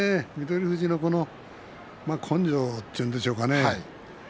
富士のこの根性というんでしょうかね